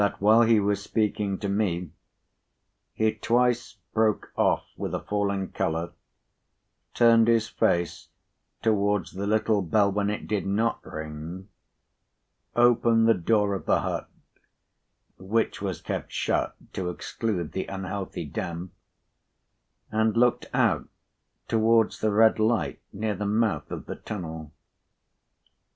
96while he was speaking to me he twice broke off with a fallen colour, turned his face towards the little bell when it did not ring, opened the door of the hut (which was kept shut to exclude the unhealthy damp), and looked out towards the red light near the mouth of the tunnel.